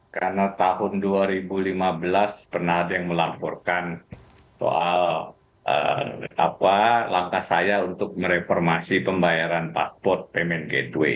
karena tahun dua ribu lima belas pernah ada yang melaporkan soal langkah saya untuk mereformasi pembayaran pasport payment gateway